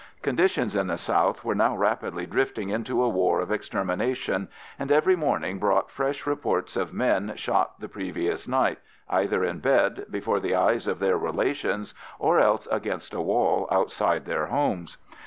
Conditions in the south were now rapidly drifting into a war of extermination, and every morning brought fresh reports of men shot the previous night, either in bed before the eyes of their relations, or else against a wall outside their homes.